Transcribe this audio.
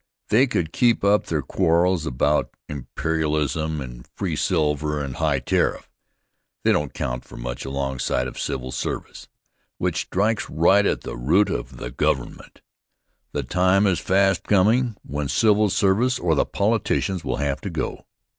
They could keep up their quarrels about imperialism and free silver and high tariff. They don't count for much alongside of civil service, which strikes right at the root of the government. The time is fast coming when civil service or the politicians will have to go.